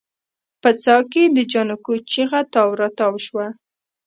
په څاه کې د جانکو چيغه تاو راتاو شوه.